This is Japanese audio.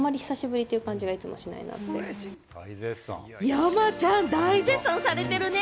山ちゃん、大絶賛されているね！